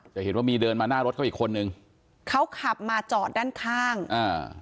จะเห็นว่ามีเดินมาหน้ารถเขาอีกคนนึงเขาขับมาจอดด้านข้างอ่า